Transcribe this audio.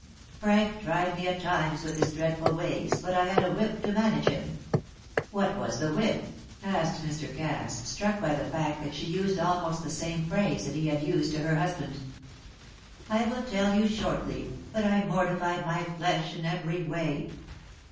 Frank tried me at times with his dreadful ways, but I had a whip to manage him." "What was the whip?" asked Mr. Cass, struck by the fact that she used almost the same phrase that he had used to her husband. "I will tell you shortly; but I mortified my flesh in every way.